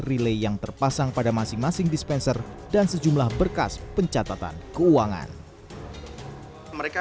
relay yang terpasang pada masing masing dispenser dan sejumlah berkas pencatatan keuangan mereka